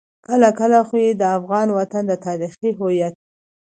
کله کله خو يې د افغان وطن د تاريخي هويت.